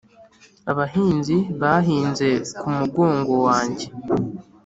Abahinzi bahinze ku mugongo wanjye